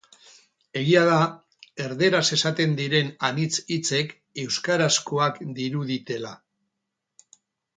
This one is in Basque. Egia da erdaraz esaten diren anitz hitzek euskarazkoak diruditela.